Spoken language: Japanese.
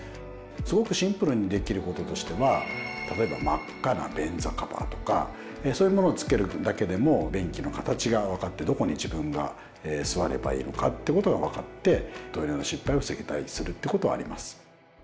すごくシンプルにできることとしては例えば真っ赤な便座カバーとかそういうものをつけるだけでも便器の形が分かってどこに自分が座ればいいのかってことが分かってトイレの失敗を防げたりするってことがあります。